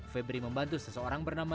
febri membantu seseorang berpengalaman